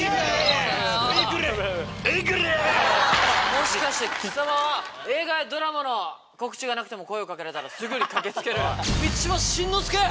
もしかして貴様は映画やドラマの告知がなくても声をかけられたらすぐに駆け付ける満島真之介！